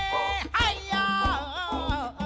ทวงคำนองที่ตัวฉันนั้นมั่นใจ